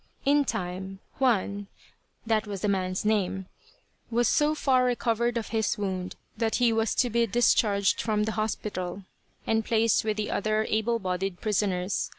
In time, Juan, that was the man's name, was so far recovered of his wound that he was to be discharged from the hospital and placed with the other able bodied prisoners.